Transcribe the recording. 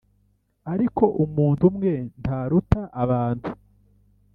ariko umuntu umwe ntaruta abantu,